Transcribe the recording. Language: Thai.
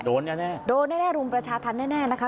โดนแน่โดนแน่รุมประชาธรรมแน่นะคะ